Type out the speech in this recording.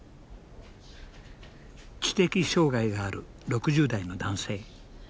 知的障害がある６０代の男性。